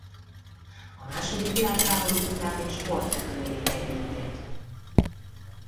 A második világháború után mint sportrepülő élte életét.